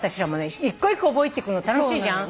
１個１個覚えていくの楽しいじゃん。